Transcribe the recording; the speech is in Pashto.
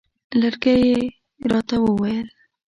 لرګی یې راته وویل.